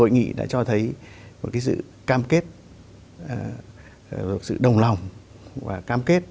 nó thấy một cái sự cam kết sự đồng lòng và cam kết